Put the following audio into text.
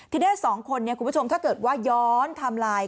ทีนี้๒คนคุณผู้ชมถ้าเกิดว่าย้อนไทม์ไลน์